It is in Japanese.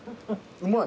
うまい。